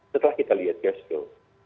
setelah kita lihat cash flow